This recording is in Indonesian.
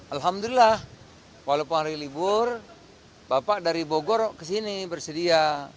alhamdulillah walaupun hari libur bapak dari bogor ke sini bersedia